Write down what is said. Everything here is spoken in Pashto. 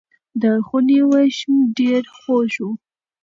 د خونې وږم ډېر خوږ و.